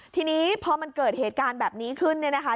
ทีนี้พอมันเกิดเหตุการณ์แบบนี้ขึ้นเนี่ยนะคะ